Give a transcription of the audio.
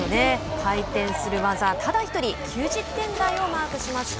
回転する技ただ１人９０点台をマークしました。